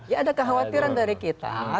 ya ada kekhawatiran dari kita